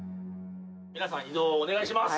皆さん移動をお願いします。